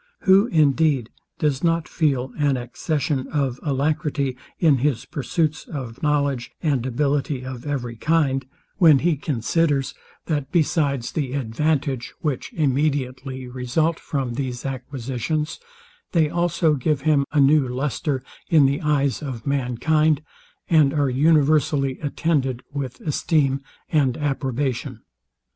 Who indeed does not feel an accession of alacrity in his pursuits of knowledge and ability of every kind, when he considers, that besides the advantage, which immediately result from these acquisitions, they also give him a new lustre in the eyes of mankind, and are universally attended with esteem and approbation?